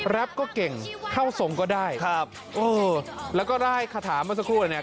แร็บก็เก่งเข้าทรงก็ได้ครับโอ้โหแล้วก็ได้ขทามาสักครู่หน่อยเนี่ย